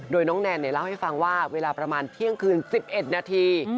โดยน้องแนนเล่าให้ฟังว่าเวลาประมาณเที่ยงคืน๑๑นาที